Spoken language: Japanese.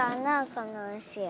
このうしは。